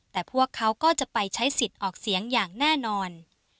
แต่พวกเขาก็จะไปใช้สิทธิ์ออกเสียงอย่างแน่นอน